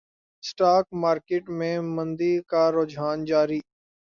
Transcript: stock market میں مندی کا رجحان جاری